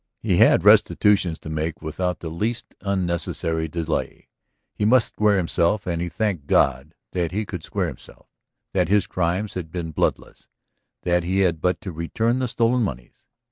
He had restitutions to make without the least unnecessary delay. He must square himself and he thanked God that he could square himself, that his crimes had been bloodless, that he had but to return the stolen moneys.